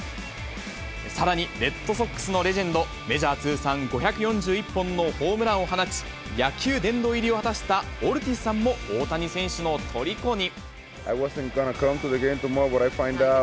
さらにレッドソックスのレジェンド、メジャー通算５４１本のホームランを放ち、野球殿堂入りを果たしたオルティスさんも大谷選手のとりこに。